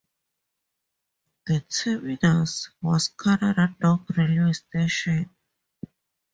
The terminus was Canada Dock railway station.